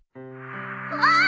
あっ